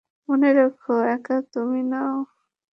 মনে রেখ, তুমি একা নও।